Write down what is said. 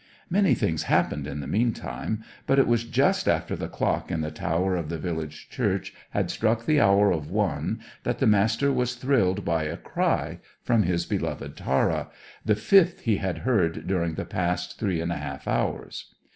Many things happened in the meantime, but it was just after the clock in the tower of the village church had struck the hour of one, that the Master was thrilled by a cry from his beloved Tara; the fifth he had heard during the past three and a half hours.